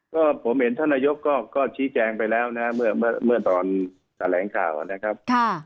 ก็ผมเห็นท่านนายกก็ชี้แจงไปแล้วนะเมื่อตอนแถลงข่าวนะครับ